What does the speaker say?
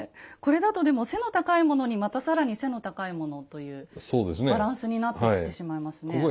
これだとでも背の高いものにまた更に背の高いものというバランスになってきてしまいますね。